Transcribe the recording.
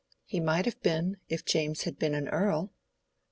He might have been, if James had been an Earl."